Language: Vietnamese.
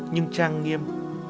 nhưng trang nghiêm